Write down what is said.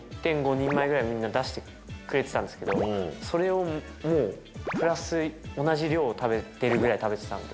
人前ぐらいみんな、出してくれてたんですけど、それをもう、プラス同じ量食べてるぐらい食べてたんで。